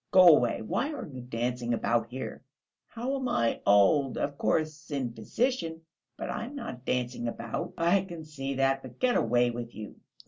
Go away. Why are you dancing about here?" "How am I old? Of course, in position; but I am not dancing about...." "I can see that. But get away with you."